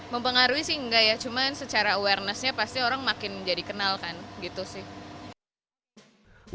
mempengaruhi sih enggak ya cuma secara awarenessnya pasti orang makin jadi kenal kan gitu sih